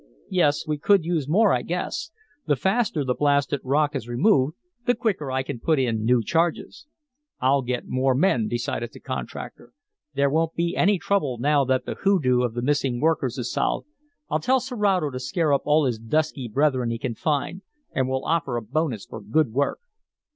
"Yes, we could use more I guess. The faster the blasted rock is removed, the quicker I can put in new charges." "I'll get more men," decided the contractor. "There won't be any trouble now that the hoodoo of the missing workers is solved. I'll tell Serato to scare up all his dusky brethren he can find, and we'll offer a bonus for good work."